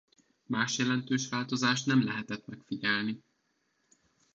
Más jelentős változást nem lehetett megfigyelni.